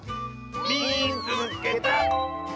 「みいつけた！」。